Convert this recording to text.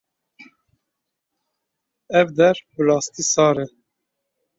Ev der bi rastî sar e.